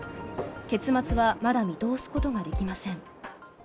結末はまだ見通すことができません。